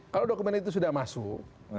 kalau dokumen itu sudah masuk